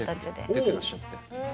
出てらっしゃって。